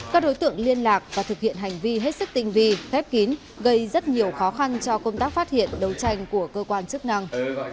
các đối tượng liên lạc và thực hiện hành vi hết sức tinh vi phép kín gây rất nhiều khó khăn cho công tác phát hiện đấu tranh của cơ quan chức năng